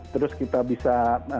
terus kita bisa